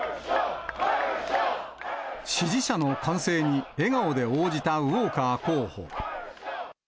支持者の歓声に、笑顔で応じたウォーカー候補。